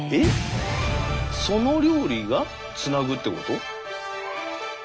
その料理がつなぐってこと？